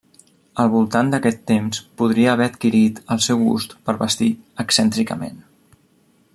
Al voltant d'aquest temps podria haver adquirit el seu gust per vestir excèntricament.